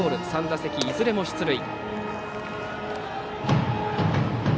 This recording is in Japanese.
３打席いずれも出塁。